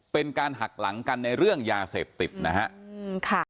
เป็นการหักหลังกันในเรื่องยาเสพติดนะฮะ